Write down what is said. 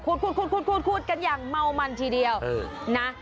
กันอย่างเมามันทีเดียวนะ